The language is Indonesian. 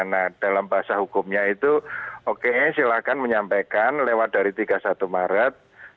nah dalam bahasa hukumnya itu oke silahkan menyampaikan lewat dari tiga puluh satu maret